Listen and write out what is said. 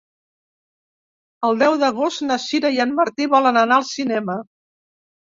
El deu d'agost na Sira i en Martí volen anar al cinema.